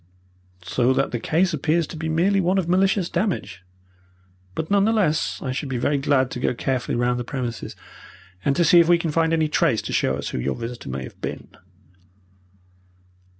"So that the case appears to be merely one of malicious damage. But none the less, I should be very glad to go carefully round the premises, and to see if we can find any trace to show us who your visitor may have been."